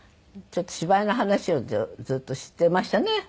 ちょっと芝居の話をずっとしてましたね。